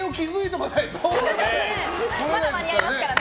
まだ間に合いますからね。